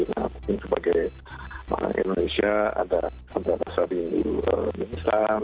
mungkin sebagai indonesia ada pasar minuman instan